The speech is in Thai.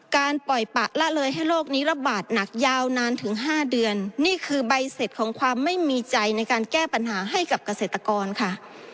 ปล่อยปะละเลยให้โลกนี้ระบาดหนักยาวนานถึง๕เดือนนี่คือใบเสร็จของความไม่มีใจในการแก้ปัญหาให้กับเกษตรกรค่ะ